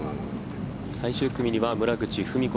最終組には村口史子